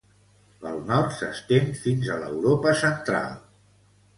Pel nord s'estén fins a l'Europa Central.